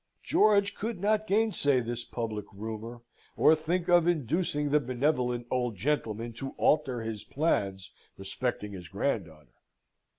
George could not gainsay this public rumour, or think of inducing the benevolent old gentleman to alter his plans respecting his granddaughter.